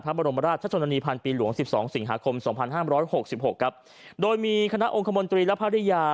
บรมราชชนนีพันปีหลวงสิบสองสิงหาคมสองพันห้ามร้อยหกสิบหกครับโดยมีคณะองคมนตรีและภรรยา